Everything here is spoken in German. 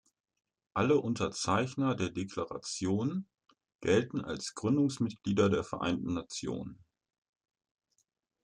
Alle Unterzeichner der Deklaration gelten als Gründungsmitglieder der Vereinten Nationen.